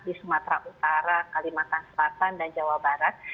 di sumatera utara kalimantan selatan dan jawa barat